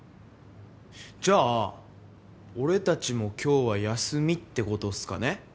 じゃあ俺たちも今日は休みってことっすかね？